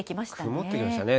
曇ってきましたね。